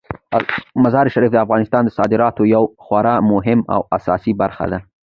مزارشریف د افغانستان د صادراتو یوه خورا مهمه او اساسي برخه ده.